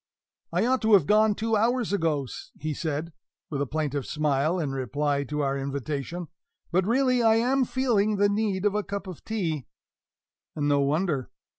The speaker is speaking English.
"I ought to have gone two hours ago," he said, with a plaintive smile, in reply to our invitation; "but, really, I am feeling the need of a cup of tea" (and no wonder!)